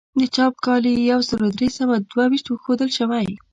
د چاپ کال یې یو زر درې سوه دوه ویشت ښودل شوی.